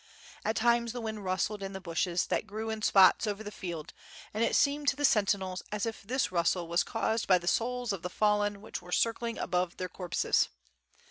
At times the wind rustled in the bushes that grew in spots over the field and it seemed to the sentinels as if this rustle was caused by the souls of the fallen which were circling above their corpses.